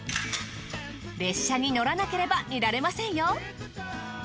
列車に乗らなければ見られませんよ。